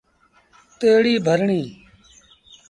تيّڙيٚ ڀرڻيٚ۔